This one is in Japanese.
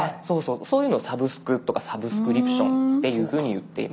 そういうのをサブスクとかサブスクリプションっていうふうに言っています。